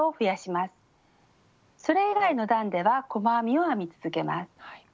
それ以外の段では細編みを編み続けます。